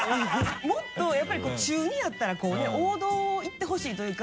もっとやっぱりこう中２やったらこうね王道を行ってほしいというか。